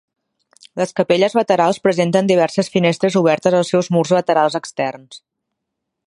Les capelles laterals presenten diverses finestres obertes als seus murs laterals externs.